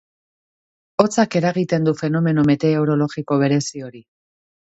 Hotzak eragiten du fenomeno meteorologiko berezi hori.